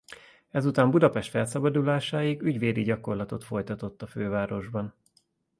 Ezután Budapest felszabadulásáig ügyvédi gyakorlatot folytatott a fővárosban.